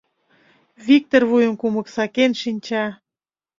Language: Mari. Виктор вуйым кумык сакен шинча.